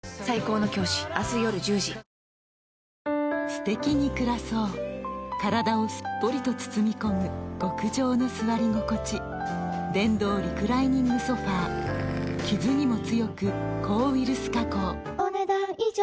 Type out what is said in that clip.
すてきに暮らそう体をすっぽりと包み込む極上の座り心地電動リクライニングソファ傷にも強く抗ウイルス加工お、ねだん以上。